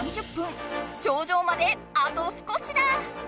頂上まであと少しだ！